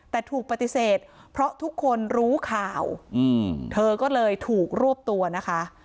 แต่ถูกปฏิเสธเพราะทุกคนรู้ข่าวเธอก็เลยถูกรวบตัวนะคะ